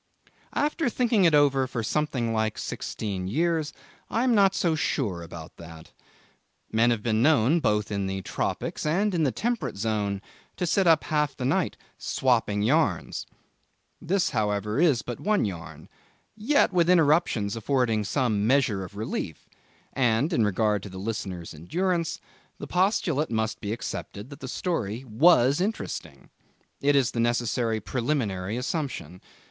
After thinking it over for something like sixteen years, I am not so sure about that. Men have been known, both in the tropics and in the temperate zone, to sit up half the night 'swapping yarns'. This, however, is but one yarn, yet with interruptions affording some measure of relief; and in regard to the listeners' endurance, the postulate must be accepted that the story was interesting. It is the necessary preliminary assumption.